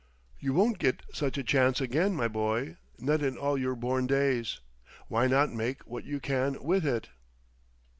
You won't get such a chance again, my boy, not in all your born days. Why not make what you can with it?